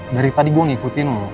dari tadi gue ngikutin